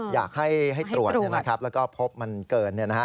อยากให้ตรวจแล้วก็พบมันเกิน